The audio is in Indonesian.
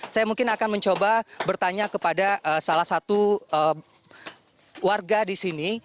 saya mungkin akan mencoba bertanya kepada salah satu warga di sini